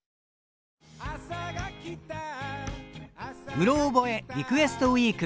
「うろ覚えリクエストＷＥＥＫ」